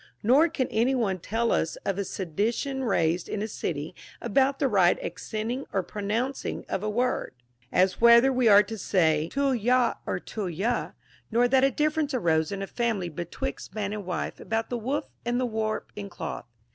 Nor can any one tell us of a sedi tion raised in a city about the right accenting or pronoun cing of a word, — as whether we are to say Tulyha^ or Τίλχινας, — nor that a difference arose in a family betwixt man and wife about the woof and the warp in cloth.